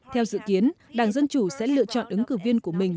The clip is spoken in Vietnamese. theo dự kiến đảng dân chủ sẽ lựa chọn ứng cử viên của mình